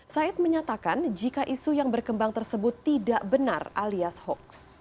said menyatakan jika isu yang berkembang tersebut tidak benar alias hoax